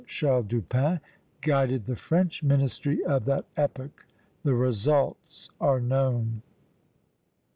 Charles Dupin, guided the French ministry of that epoch. The results are known."